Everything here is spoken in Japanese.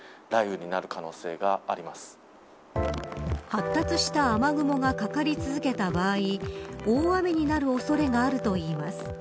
発達した雨雲がかかり続けた場合大雨になる恐れがあるといいます。